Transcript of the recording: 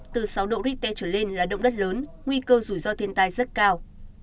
từ sáu độ richter trở lên là động đất lớn nguy cơ rủi ro thiên tai rất cao